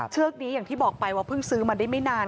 เชือกนี้อย่างที่บอกไปว่าเพิ่งซื้อมาได้ไม่นาน